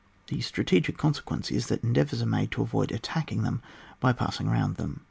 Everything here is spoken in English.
The strategic con le that endeavours are made to «i,,<^i.vi c*..i.t^king them by passing round them.